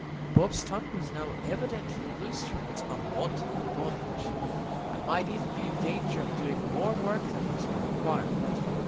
Bob's tongue was now evidently loosed from its unwonted bondage, and might even be in danger of doing more work than was required of it.